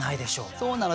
そうなの。